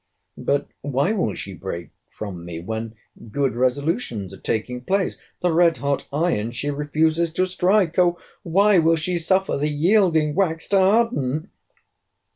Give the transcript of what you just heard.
—But why will she break from me, when good resolutions are taking place? The red hot iron she refuses to strike—O why will she suffer the yielding wax to harden?